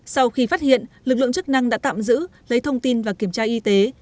sau khi phát hiện lực lượng chức năng đã tạm giữ lấy thông tin và kiểm tra y tế